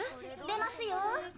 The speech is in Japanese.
・出ますよ。